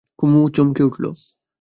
কুমু চমকে উঠল।